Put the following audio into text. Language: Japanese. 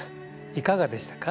いかがでしたか？